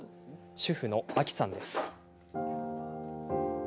主婦のアキさんです。